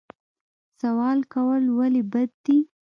سوال کول ولې بد دي؟